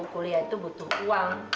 kuliah itu butuh uang